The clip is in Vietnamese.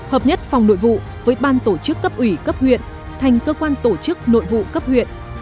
hợp nhất phòng nội vụ với ban tổ chức cấp ủy cấp huyện thành cơ quan tổ chức nội vụ cấp huyện